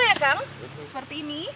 seperti ini kang seperti ini